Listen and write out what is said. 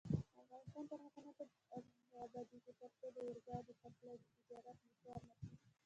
افغانستان تر هغو نه ابادیږي، ترڅو د اورګاډي پټلۍ د تجارت محور نشي.